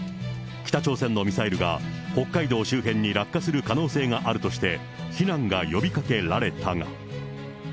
北朝鮮のミサイルが北海道周辺に落下する可能性があるとして、避難が呼びかけられたが。